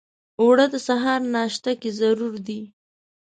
اوړه د سهار ناشته کې ضرور دي